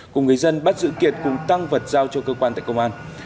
cùng người dân bắt giữ kiệt cùng tăng vật giao cho cơ quan tại công an